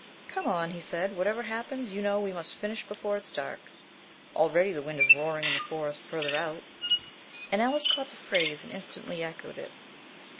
"Come on," he said, "whatever happens, you know, we must finish before it's dark. Already the wind is roaring in the Forest further out." And Alice caught the phrase and instantly echoed it.